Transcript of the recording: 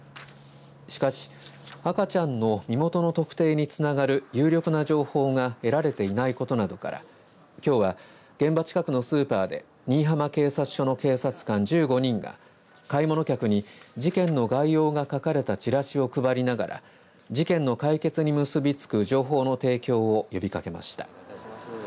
しかし、赤ちゃんの身元の特定につながる有力な情報が得られていないことなどからきょうは、現場近くのスーパーで新居浜警察署の警察官１５人が買い物客に事件の概要が書かれたチラシを配りながら事件の解決に結びつく情報の提供を呼びかけました。